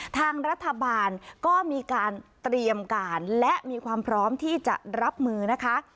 ทางรัฐบาลก็มีการเตรียมการและมีความพร้อมที่จะรับมือนะคะ